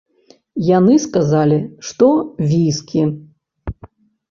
Яны сказалі, што віскі.